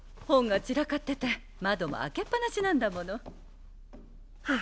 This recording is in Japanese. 本が散らかってて窓も開けっ放しなんだもの。